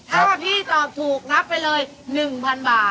ถ้าพี่ตอบถูกนับไปเลย๑๐๐๐บาท